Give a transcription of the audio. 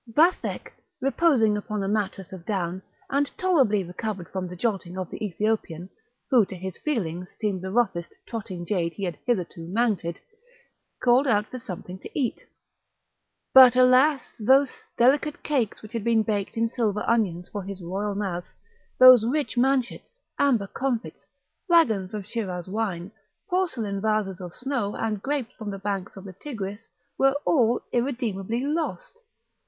Vathek, reposing upon a mattress of down, and tolerably recovered from the jolting of the Ethiopian, who to his feelings seemed the roughest trotting jade he had hitherto mounted, called out for something to eat. But, alas! those delicate cakes which had been baked in silver ovens for his royal mouth, those rich manchets, amber comfits, flagons of Schiraz wine, porcelain vases of snow, and grapes from the banks of the Tigris, were all irremediably lost!